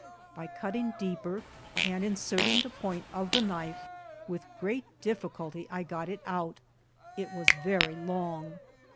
By cut ting deeper, and inserting the point of the knife, with great difficulty I got it out; it was very long.